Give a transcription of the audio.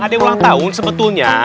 gak ada ulang tahun sebetulnya